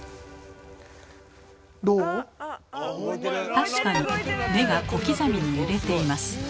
確かに目が小刻みに揺れています。